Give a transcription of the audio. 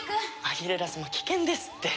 アギレラ様危険ですって！